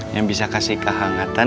yang bisa kasih kehangatan